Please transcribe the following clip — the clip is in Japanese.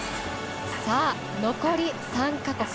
さあ、残り３か国。